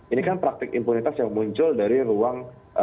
ini kan praktik impunitas yang muncul dari ruang